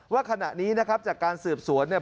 ว่าขณะนี้นะครับจากการสืบสวนเนี่ย